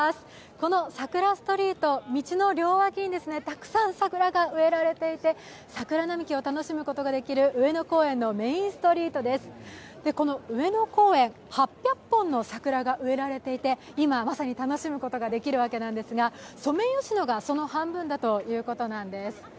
このさくらストリート、道の両脇にたくさん桜が植えられていて、桜並木を楽しむことができる上野公園のメインストリートです、この上野公園、８００本の桜が植えられていて今まさに楽しむことができるわけなんですが、ソメイヨシノがその半分だということなんです。